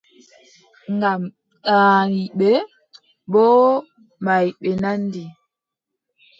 Ngam ɗaaniiɓe boo maayɓe nandi.